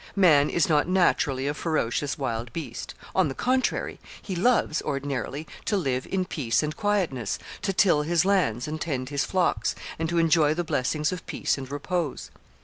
Man is not naturally a ferocious wild beast. On the contrary, he loves, ordinarily, to live in peace and quietness, to till his lands and tend his flocks, and to enjoy the blessings of peace and repose.